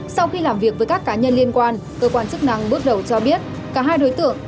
sau khi làm việc với các cá nhân liên quan cơ quan chức năng bước đầu cho biết cả hai đối tượng